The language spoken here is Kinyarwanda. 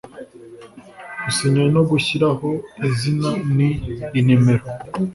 gusinya no gushyiraho izina n inimero